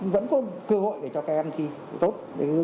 vẫn có cơ hội để cho các em thi tốt